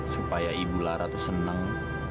supaya ibu lara tuh seneng